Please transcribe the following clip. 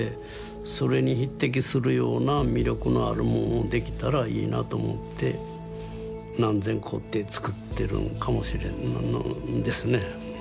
それに匹敵するような魅力のあるもんをできたらいいなと思って何千個って作ってるんかもしれんですね。